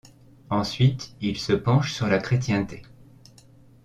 Ensuite, il se penche sur la Chrétienté.